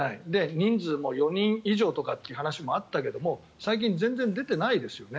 人数も４人以上とかっていう話もあったけれども最近は全然出ていないですよね。